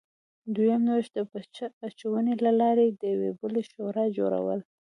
دویم نوښت د پچه اچونې له لارې د یوې بلې شورا جوړول و